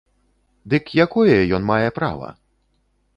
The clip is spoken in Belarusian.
Дык якое ён мае права?